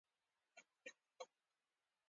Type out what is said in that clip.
د بامیان هوايي ډګر کوچنی دی